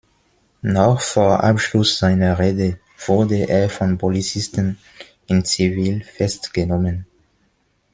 Noch vor Abschluss seiner Rede wurde er von Polizisten in Zivil festgenommen.